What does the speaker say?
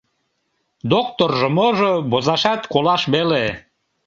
Докторжо можо, возашат, колаш веле...